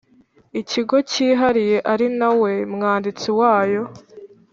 Ikigo cyihariye ari na we mwanditsi wayo